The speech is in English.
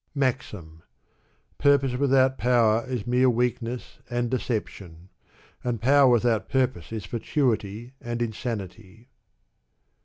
MAXIM. Purpose without power is mere weakness and de ception; and power without purpose is &tuity and insanity.